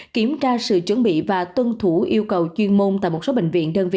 kiểm tra sự chuẩn bị và tuân thủ yêu cầu chuyên môn tại một số bệnh viện đơn vị